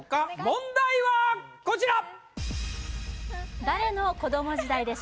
問題はこちら！